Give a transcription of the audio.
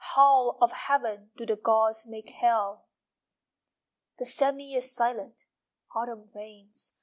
How of Heaven Do the gods make Hell! II The sêmi is silent (Autumn rains!)